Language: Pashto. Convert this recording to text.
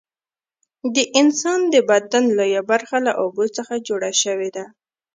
د انسان د بدن لویه برخه له اوبو څخه جوړه شوې ده